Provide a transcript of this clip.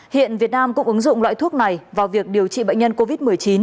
hiện việt nam cũng ứng dụng loại thuốc này vào việc điều trị bệnh nhân covid một mươi chín